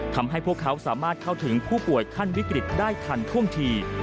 ทำให้พวกเขาสามารถเข้าถึงผู้ป่วยขั้นวิกฤตได้ทันท่วงที